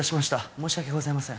申し訳ございません。